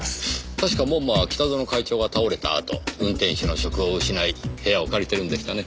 たしか門馬は北薗会長が倒れたあと運転手の職を失い部屋を借りてるんでしたね。